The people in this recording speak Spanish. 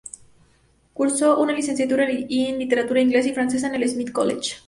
Cursó una licenciatura en Literatura inglesa y francesa en el "Smith College" -Massachusetts-.